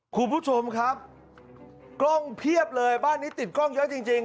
คุณผู้ชมครับกล้องเพียบเลยบ้านนี้ติดกล้องเยอะจริง